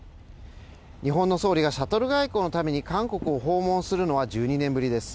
日本の総理がシャトル外交のために韓国を訪問するのは１２年ぶりです。